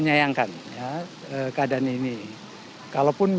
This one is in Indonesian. saya tidak paham